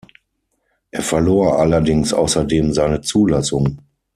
Er verlor allerdings außerdem seine Zulassung.